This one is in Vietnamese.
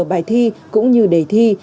bài thi cũng như đề thi